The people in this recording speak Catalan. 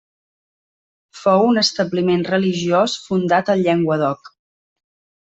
Fou un establiment religiós fundat al Llenguadoc.